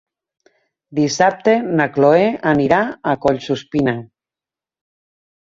Dissabte na Cloè anirà a Collsuspina.